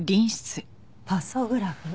パソグラフ。